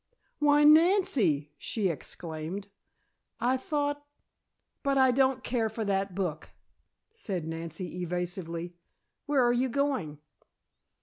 "Why, Nancy!" she exclaimed. "I thought " "But I don't care for that book," said Nancy evasively. "Where are you going?"